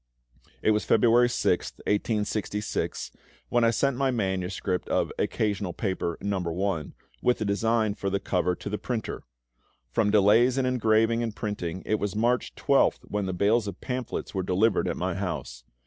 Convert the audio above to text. It was February 6th, 1866, when I sent my manuscript of "Occasional Paper, No. I.," with a design for the cover, to the printer. From delays in engraving and printing, it was March 12th when the bales of pamphlets were delivered at my house.